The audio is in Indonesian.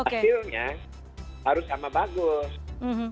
hasilnya harus sama bagus